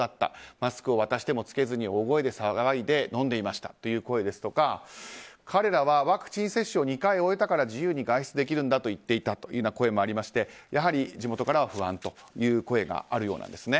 マスクを渡しても着けずに大声で騒いで飲んでいましたという声や彼らはワクチン接種を２回終えたから自由に外出できるといっていたという声もありまして、地元からは不安という声があるようです。